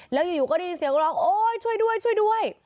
แล้วอยู่ก็ได้ยินเสียงร้องโอ๊ยช่วยด้วยช่วยด้วย